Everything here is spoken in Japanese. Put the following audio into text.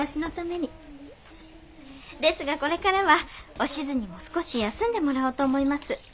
ですがこれからはおしづにも少し休んでもらおうと思います。